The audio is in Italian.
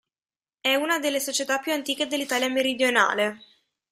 È una delle società più antiche dell'Italia meridionale.